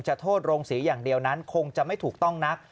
โทษโรงศรีอย่างเดียวนั้นคงจะไม่ถูกต้องนัก